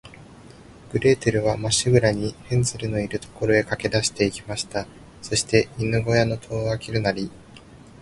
グレーテルは、まっしぐらに、ヘンゼルのいる所へかけだして行きました。そして、犬ごやの戸をあけるなり、